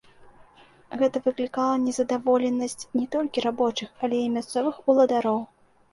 Гэта выклікала незадаволенасць не толькі рабочых, але і мясцовых уладароў.